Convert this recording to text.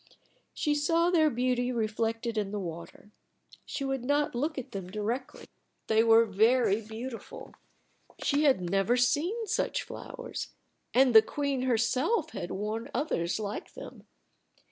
She saw their beauty reflected in the water. She would not look at them directly. They were very beautiful. She had never seen such flowers. And the queen herself had worn others like them.